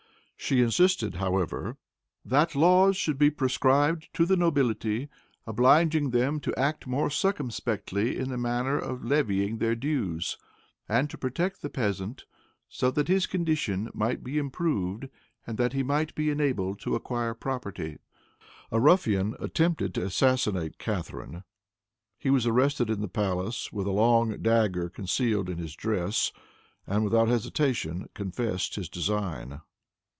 She insisted, however, "that laws should be prescribed to the nobility, obliging them to act more circumspectly in the manner of levying their dues, and to protect the peasant, so that his condition might be improved and that he might be enabled to acquire property." A ruffian attempted to assassinate Catharine. He was arrested in the palace, with a long dagger concealed in his dress, and without hesitation confessed his design.